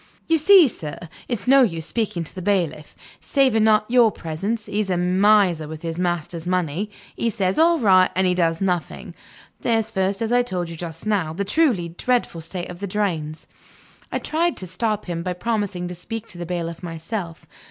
"You see, sir, it's no use speaking to the bailiff. Saving your presence, he's a miser with his master's money. He says, 'All right,' and he does nothing. There's first, as I told you just now, the truly dreadful state of the drains " I tried to stop him by promising to speak to the bailiff myself.